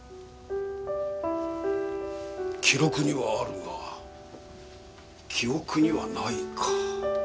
記録にはあるが記憶にはないか。